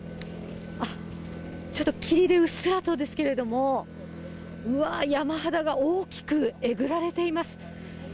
ちょっと霧でうっすらとですけれども、うわー、山肌が大きくえぐられています。